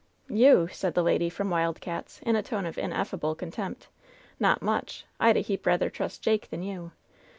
"You !" said the lady from Wild Cats', in a tone of in effable contempt. "Not much ! I'd a heap rather trust Jake than you